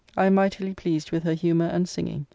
I am mightily pleased with her humour and singing.